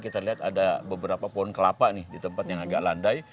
kita lihat ada beberapa pohon kelapa nih di tempat yang agak landai